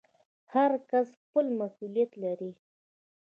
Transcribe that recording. هر کس خپل مسوولیت لري